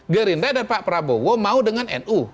gerinda dan pak prabowo mau dengan nu